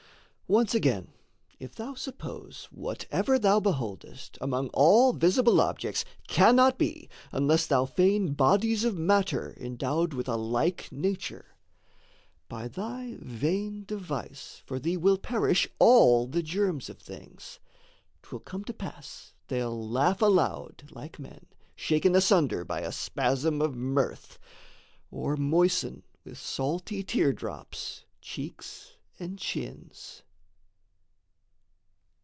Once again, If thou suppose whatever thou beholdest, Among all visible objects, cannot be, Unless thou feign bodies of matter endowed With a like nature, by thy vain device For thee will perish all the germs of things: 'Twill come to pass they'll laugh aloud, like men, Shaken asunder by a spasm of mirth, Or moisten with salty tear drops cheeks and chins.